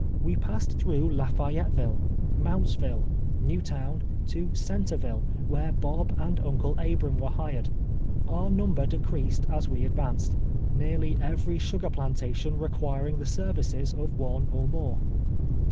AVe passed through La fayetteville, Mountsville, New Town, to Centreville, where Bob and Uncle Abram were hired. Our num ber decreased as we advanced — nearly every sugar plantation requiring the services of one or more.